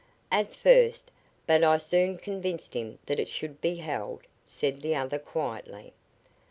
"At first, but I soon convinced him that it should be held," said the other, quietly.